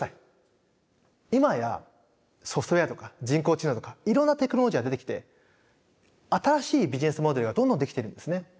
今やソフトウエアとか人工知能とかいろんなテクノロジーが出てきて新しいビジネスモデルがどんどんできているんですね。